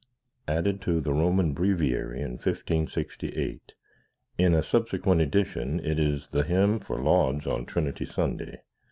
Added to the Roman Breviary in 1568. In a subsequent edition it is the hymn for Lauds on Trinity Sunday.